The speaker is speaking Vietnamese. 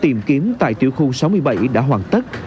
tìm kiếm tại tiểu khu sáu mươi bảy đã hoàn tất